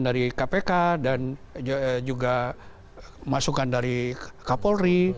dari kpk dan juga masukan dari kapolri